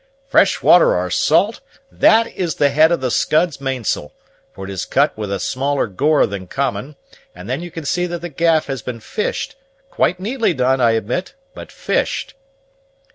"Fresh water or salt, that is the head of the Scud's mainsail, for it is cut with a smaller gore than common; and then you can see that the gaff has been fished quite neatly done, I admit, but fished."